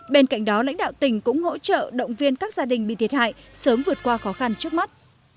bên cạnh đó lãnh đạo tỉnh cũng hỗ trợ động viên các gia đình bị thiệt hại sớm vượt qua khó khăn trước mắt